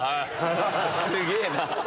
すげぇな！